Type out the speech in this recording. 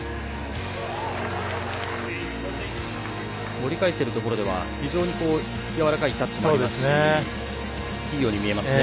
盛り返してるところでは非常にやわらかいタッチもありいいように見えますね。